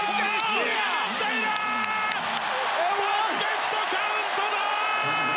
バスケットカウントだ！